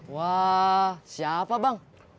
wah siapa bang